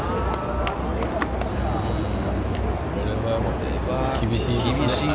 これは厳しい。